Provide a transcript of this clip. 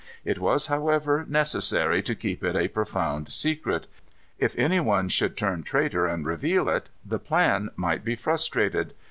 It was, however, necessary to keep it a profound secret. If any one should turn traitor and reveal it, the plan might be frustrated.